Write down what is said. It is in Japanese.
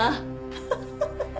ハハハハッ！